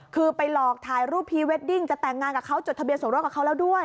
คือไปหลอกถ่ายรูปพรีเวดดิ้งจะแต่งงานกับเขาจดทะเบียสมรสกับเขาแล้วด้วย